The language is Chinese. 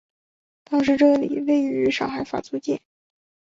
当时这里位于上海法租界。